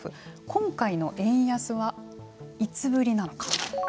今回の円安はいつぶりなのか。